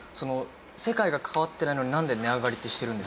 世界が関わってないのになんで値上がりってしてるんですか？